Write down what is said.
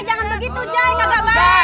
jangan begitu jaya